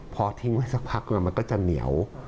พอทิ้งไว้สักพักมันก็จะเหนียว